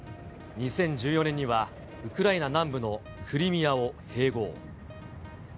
２０１４年にはウクライナ南部のクリミアを併合。